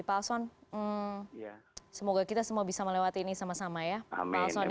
pak alson semoga kita semua bisa melewati ini sama sama ya pak alson